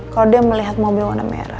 kalau dia melihat mobil warna merah